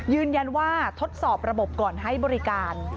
ยืนยันว่าทดสอบระบบก่อนให้บริการ